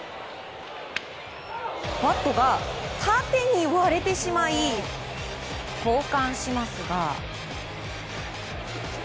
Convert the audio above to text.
バットが縦に割れてしまい交換しますが。